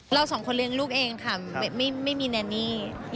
เราสองคนเลี้ยงลูกเองค่ะไม่มีแนนนี่